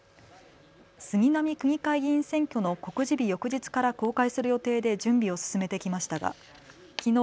杉並区議会議員選挙の告示日翌日から公開する予定で準備を進めてきましたがきのう